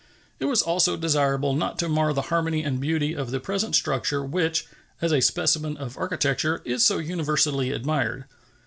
It was also desirable not to mar the harmony and beauty of the present structure, which, as a specimen of architecture, is so universally admired.